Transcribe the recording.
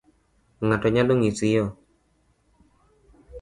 Ng'ato nyalo ng'isi yoo.